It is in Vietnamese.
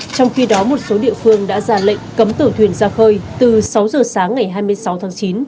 trong khi đó một số địa phương đã ra lệnh cấm tàu thuyền ra khơi từ sáu giờ sáng ngày hai mươi sáu tháng chín